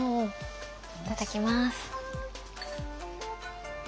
いただきます。